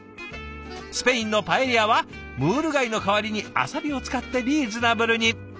スペインのパエリアはムール貝の代わりにアサリを使ってリーズナブルに。